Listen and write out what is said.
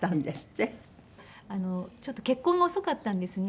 ちょっと結婚が遅かったんですね。